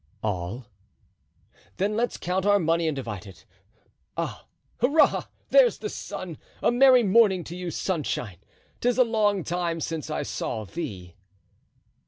"All." "Then let's count our money and divide it. Ah! hurrah! there's the sun! A merry morning to you, Sunshine. 'Tis a long time since I saw thee!"